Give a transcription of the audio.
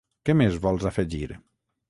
Què més vols afegir?